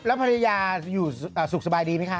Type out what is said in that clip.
แล้วภรรยายอยู่สบายออกไหมคะ